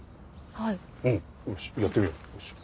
はい。